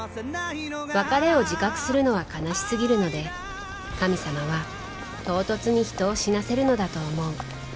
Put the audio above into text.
別れを自覚するのは悲しすぎるので神様は唐突に人を死なせるのだと思う